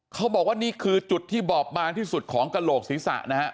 เขาบอกว่านี่คือจุดที่บอบบางที่สุดของกระโหลกศีรษะนะฮะ